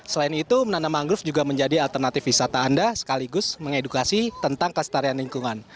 selain itu menanam mangrove juga menjadi alternatif wisata anda sekaligus mengedukasi tentang kesetarian lingkungan